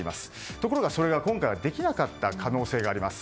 ところが、それが今回はできなかった可能性があります。